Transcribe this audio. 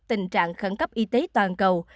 tình trạng khẩn cấp y tế toàn cầu